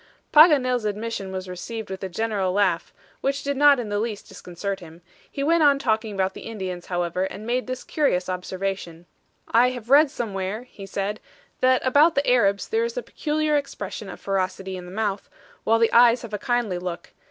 Paganel's admission was received with a general laugh, which did not in the least disconcert him. He went on talking about the Indians however, and made this curious observation: "I have read somewhere," he said, "that about the Arabs there is a peculiar expression of ferocity in the mouth, while the eyes have a kindly look.